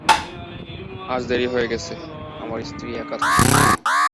আজ দেরি হয়ে গেছে, আমার স্ত্রী একা থাকে।